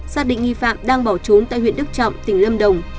xác định nghi phạm đang bỏ trốn tại huyện đức trọng tỉnh lâm đồng